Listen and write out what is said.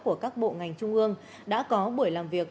của các bộ ngành trung ương đã có buổi làm việc